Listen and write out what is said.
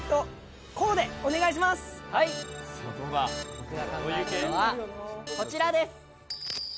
僕が考えたのはこちらです。